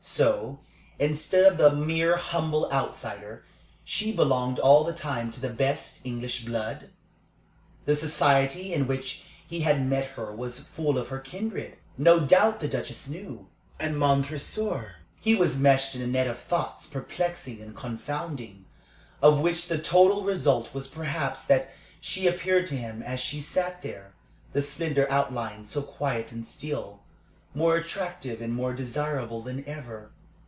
So, instead of the mere humble outsider, she belonged all the time to the best English blood? The society in which he had met her was full of her kindred. No doubt the Duchess knew and Montresor.... He was meshed in a net of thoughts perplexing and confounding, of which the total result was perhaps that she appeared to him as she sat there, the slender outline so quiet and still, more attractive and more desirable than ever.